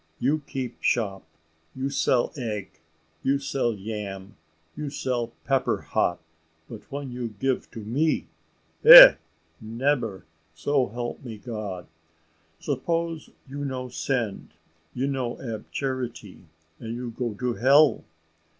You keep shop you sell egg you sell yam you sell pepper hot but when you give to me? Eh! nebber, so help me God. Suppose you no send you no ab charity, and you go to hell.